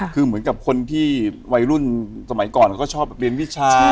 คือเหมือนกับคนที่วัยรุ่นสมัยก่อนเขาก็ชอบเรียนวิชา